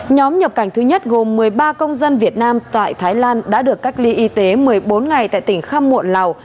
nhóm nhập cảnh thứ nhất gồm một mươi ba công dân việt nam tại thái lan đã được cách ly y tế một mươi bốn ngày tại tỉnh khăm muộn lào